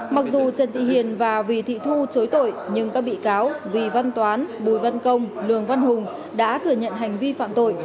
mặc dù trần thị hiền và vì thị thu chối tội nhưng các bị cáo vì văn toán bùi văn công lường văn hùng đã thừa nhận hành vi phạm tội